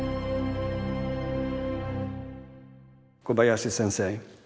小林先生